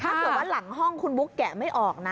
ถ้าเกิดว่าหลังห้องคุณบุ๊กแกะไม่ออกนะ